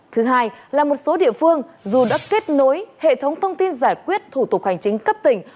thứ hai là một số địa phương dù đã kết nối hệ thống thông tin giải quyết thủ tục hành chính cấp tỉnh